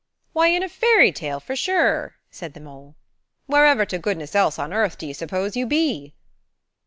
"Why, in a fairy tale for sure," said the mole. "Wherever to goodness else on earth do you suppose you be?"